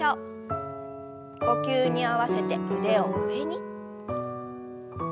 呼吸に合わせて腕を上に。